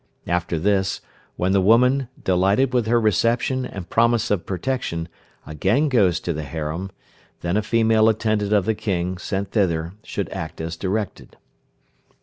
After this, when the woman, delighted with her reception and promise of protection, again goes to the harem, then a female attendant of the King, sent thither, should act as directed.